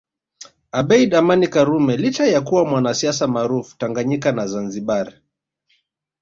Abeid Amani karume licha ya kuwa mwanasiasa maarufu Tanganyika na Zanzibar